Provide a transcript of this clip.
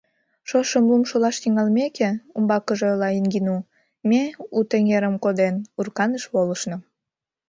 Шошым лум шулаш тӱҥалмеке, — умбакыже ойла Ингину, — ме, Уд эҥерым коден, Урканыш волышна.